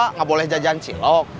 nggak boleh jajan cilok